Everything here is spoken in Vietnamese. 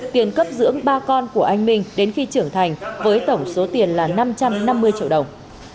tiền cấp dưỡng ba con của anh minh đến khi trưởng thành với tổng số tiền là năm trăm năm mươi triệu đồng